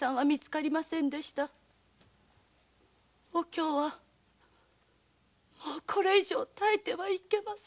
お京はもうこれ以上耐えてはゆけません。